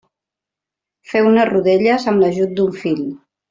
Feu-ne rodelles amb l'ajut d'un fil.